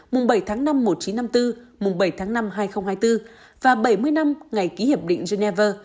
mùng bảy tháng năm một nghìn chín trăm năm mươi bốn mùng bảy tháng năm hai nghìn hai mươi bốn và bảy mươi năm ngày ký hiệp định geneva